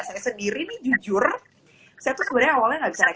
saya sendiri nih jujur saya tuh sebenarnya awalnya gak bisa naik